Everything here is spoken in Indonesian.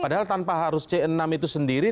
padahal tanpa harus c enam itu sendiri